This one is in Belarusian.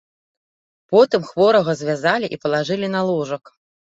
Потым хворага звязалі і палажылі на ложак.